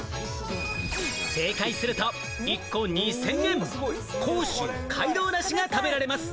正解すると１個２０００円、甲州街道梨が食べられます。